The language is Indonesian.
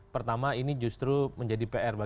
pertama ini justru menjadi pr